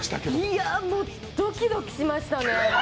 いや、もうドキドキしましたね。